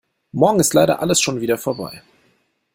Morgen ist leider alles schon wieder vorbei.